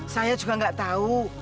saya juga nggak tahu